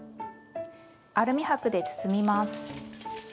アルミ箔で包みます。